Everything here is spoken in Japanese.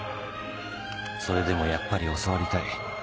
［それでもやっぱり教わりたい。